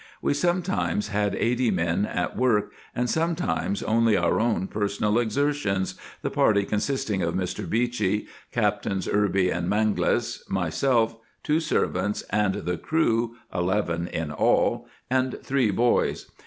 We sometimes had eighty men at work, and sometimes only our own personal exertions, the party consisting of Mr. Beechey, Captains Irby and Mangles, myself, two servants, and the crew, eleven in all, and three boys.